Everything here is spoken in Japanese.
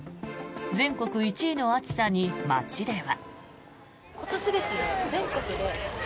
全国１位の暑さに街では。